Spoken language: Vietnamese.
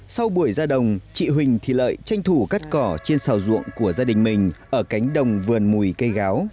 sau buổi ra đồng chị huỳnh thị lợi tranh thủ cắt cỏ trên xào ruộng của gia đình mình ở cánh đồng vườn mùi cây gáo